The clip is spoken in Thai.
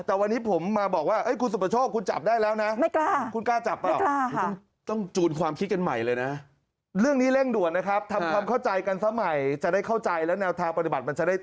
แต่วันนี้ผมมาบอกว่าคุณสุประโชคคุณจับได้แล้วนะ